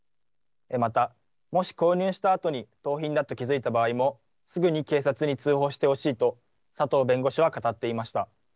また、もし購入したあとに盗品だと気付いた場合も、すぐに警察に通報してほしいと、佐藤弁護士は語っていました。